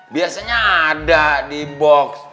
biasanya ada di box